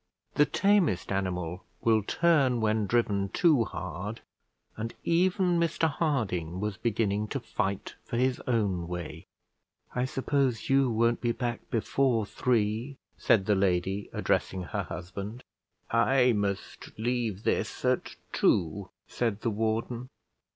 The tamest animal will turn when driven too hard, and even Mr Harding was beginning to fight for his own way. "I suppose you won't be back before three?" said the lady, addressing her husband. "I must leave this at two," said the warden.